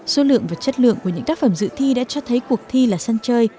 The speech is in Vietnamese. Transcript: số lượng và chất lượng của những tác phẩm dự thi đã cho thấy cuộc thi là sân chơi